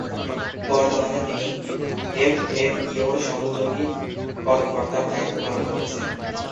বর্তমানে তিনি এফএফইউ’র সহযোগী কর্মকর্তার দায়িত্ব পালন করছেন।